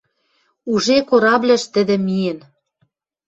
Уже корабльыш тӹдӹ миэн